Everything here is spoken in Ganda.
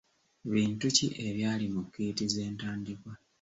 Bintu ki ebyali mu kiiti z'entandikwa?